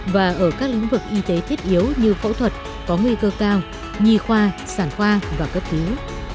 và ở các lĩnh vực y tế thiết yếu như phẫu thuật có nguy cơ cao nhi khoa sản khoa và cấp cứu